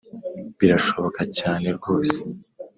birashoboka cyne rwose